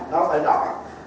nó phải đoạn